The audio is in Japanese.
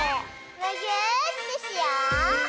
むぎゅーってしよう！